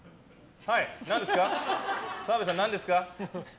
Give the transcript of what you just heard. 澤部さん、何ですか？